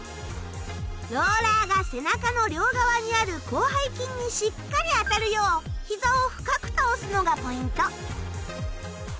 ローラーが背中の両側にある広背筋にしっかり当たるよう膝を深く倒すのがポイント。